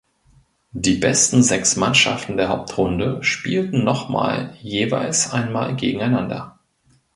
Die besten sechs Mannschaften der Hauptrunde spielten nochmal jeweils einmal gegeneinander.